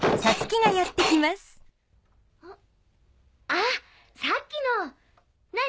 ああさっきの何？